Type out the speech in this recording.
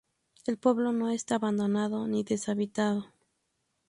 El pueblo no está abandonado ni deshabitado.